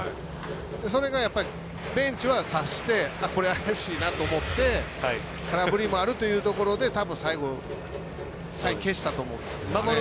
それがベンチは察してこれは怪しいなと思って空振りもあるというところでたぶん、最後消したと思うんですよね。